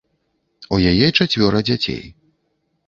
У яе чацвёра дзяцей.